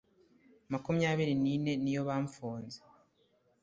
makumyabiri nine niyo bamfunze